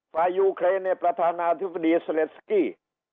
ฝ่ายยูเครนในประธานาธิบดีเซเลสกี้